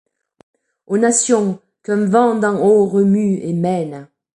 Aux nations qu'un vent d'en haut remue et mène